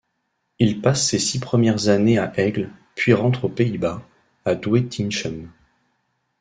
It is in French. Il passe ses six premières années à Aigle, puis rentre aux Pays-Bas, à Doetinchem.